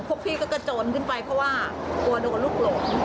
พวกพี่ก็กระโจนขึ้นไปเพราะว่ากลัวโดนลูกหลง